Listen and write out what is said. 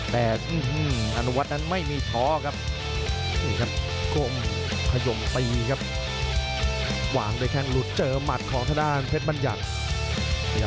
แต่อันวัดนั้นไม่มีท้อกลมพยมศรีวางด้วยแข่งหลุดเจอหมัดของทะดานเพชรบรรยัตน์